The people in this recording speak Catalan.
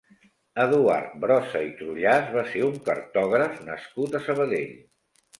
Eduard Brossa i Trullàs va ser un cartògraf nascut a Sabadell.